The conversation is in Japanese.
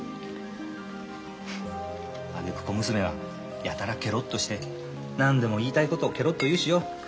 フッあげく小娘はやたらケロッとして何でも言いたいことをケロッと言うしよ。